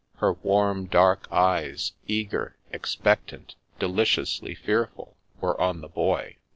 Her warm dark eyes, eager, expectant, deliciously fearful, were on the Boy.